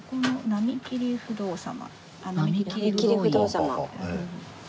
浪切不動様。